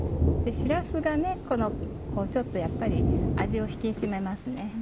しらすがちょっとやっぱり味を引き締めますね。